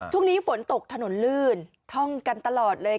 ช่วงนี้ฝนตกถนนลื่นท่องกันตลอดเลย